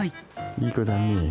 いい子だね。